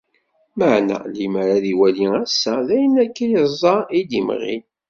Meεna, limer ad iwali ass-a, d ayen akken iẓẓa i d-imɣin.